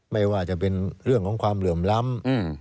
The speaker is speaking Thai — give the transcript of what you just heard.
ไม่ว่าจะเป็นเรื่องของความเหลื่อมล้ำ